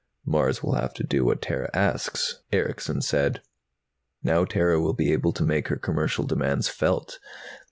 "Mars will have to do what Terra asks," Erickson said. "Now Terra will be able to make her commercial demands felt.